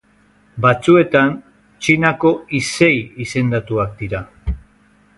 Batzuetan Txinako izei izendatuak dira.